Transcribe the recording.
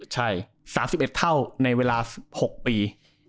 ใช่๓๑เท่าในเวลา๑๖ปี